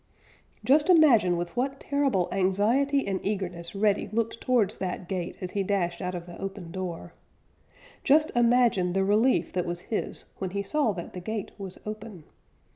Just imagine with what terrible anxiety and eagerness Reddy looked towards that gate as he dashed out of the open door. Just imagine the relief that was his when he saw that the gate was open.